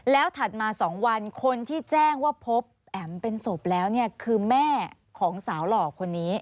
แล้วถัดมา๒วันคนที่แจ้งว่าพบแอ๋มเป็นศพแล้วเนี่ยคือแม่ของสาวหล่อคนนี้